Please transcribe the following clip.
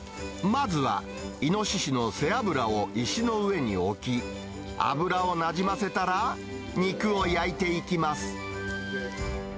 まずはイノシシの背脂を石の上に置き、脂をなじませたら、肉を焼いていきます。